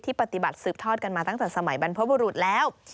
ปฏิบัติสืบทอดกันมาตั้งแต่สมัยบรรพบุรุษแล้ว